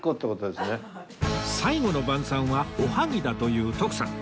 最後の晩餐はおはぎだという徳さん